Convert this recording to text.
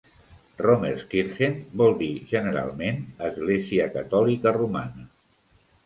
Rommerskirchen vol dir generalment església catòlica romana.